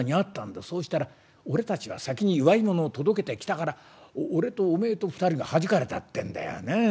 そうしたら俺たちは先に祝い物を届けてきたから俺とおめえと２人がはじかれたってんだよなあ。